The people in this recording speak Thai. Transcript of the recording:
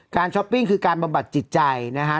ช้อปปิ้งคือการบำบัดจิตใจนะฮะ